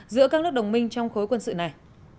giữa các nước đồng minh trong khối quân sự này